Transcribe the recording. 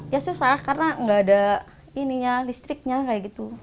ya susah karena gak ada listriknya kayak gitu